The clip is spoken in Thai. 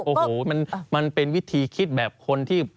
โอ้โหมันเป็นวิธีคิดแบบคนที่